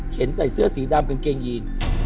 เข็นใส่เสื้อสีดำกันเกงยี